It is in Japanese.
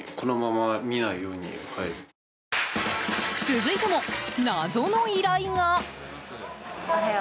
続いても謎の依頼が。